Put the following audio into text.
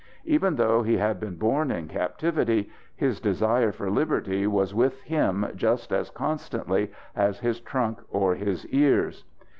Even though he had been born in captivity, his desire for liberty was with him just as constantly as his trunk or his ears.